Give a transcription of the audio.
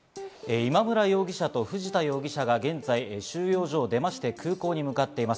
今村容疑者と藤田容疑者が現在、収容所を出まして、空港に向かっています。